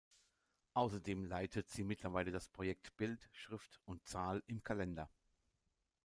Außerdem leitet sie mittlerweile das Projekt „"Bild, Schrift und Zahl im Kalender"“.